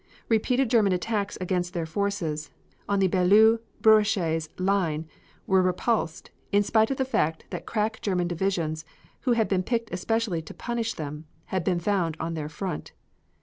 Repeated German attacks against their forces, on the Belleau Bouresches line were repulsed, in spite of the fact that crack German divisions, who had been picked especially to punish them, had been found on their front.